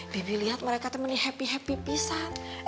bibi lihat mereka temenin happy happy pisang